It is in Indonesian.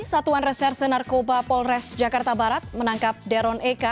satuan reserse narkoba polres jakarta barat menangkap deron eka